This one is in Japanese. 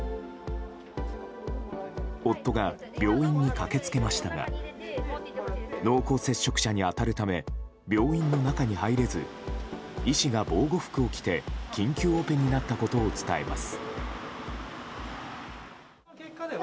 夫が、病院に駆けつけましたが濃厚接触者に当たるため病院の中に入れず医師が防護服を着て緊急オペになったことを伝えます。